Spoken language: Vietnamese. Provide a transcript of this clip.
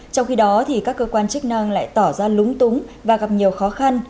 trong khi đó các cơ quan chức năng lại tỏ ra lúng túng và gặp nhiều khó khăn